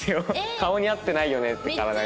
顔に合ってないよねって体が。